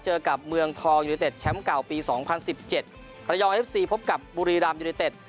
เจอกับเมืองทองยูนิเต็ดแชมป์เก่าปี๒๐๑๗ระยองเอฟซีพบกับบุรีรามยูเนเต็ด